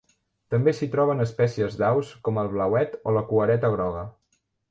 També s'hi troben espècies d'aus com el blauet o la cuereta groga.